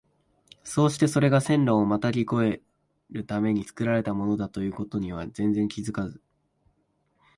そうしてそれが線路をまたぎ越えるために造られたものだという事には全然気づかず、